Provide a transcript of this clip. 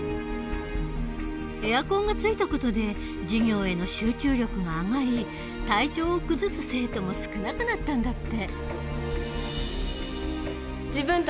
エアコンがついた事で授業への集中力が上がり体調を崩す生徒も少なくなったんだって。